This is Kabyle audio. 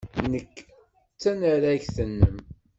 Nekk d tanaragt-nnem.